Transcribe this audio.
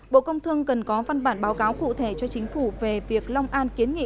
bộ công thương cần có văn bản báo cáo cụ thể cho chính phủ về việc long an kiến nghị